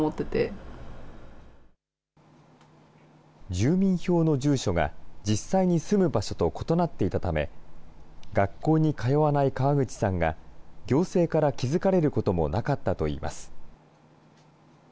住民票の住所が実際に住む場所と異なっていたため、学校に通わない川口さんが、行政から気付かれることもなかったといいます。